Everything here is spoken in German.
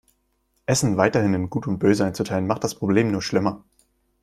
Essen weiterhin in gut und böse einzuteilen, macht das Problem nur schlimmer.